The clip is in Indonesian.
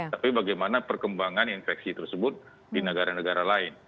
tapi bagaimana perkembangan infeksi tersebut di negara negara lain